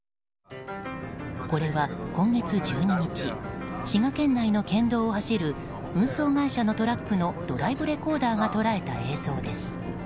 これは今月１２日滋賀県内の県道を走る運送会社のトラックのドライブレコーダーが捉えた映像です。